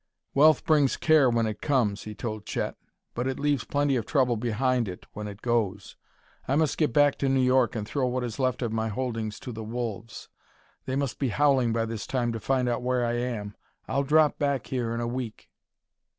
"Wealth brings care when it comes," he told Chet, "but it leaves plenty of trouble behind it when it goes. I must get back to New York and throw what is left of my holdings to the wolves; they must be howling by this time to find out where I am. I'll drop back here in a week."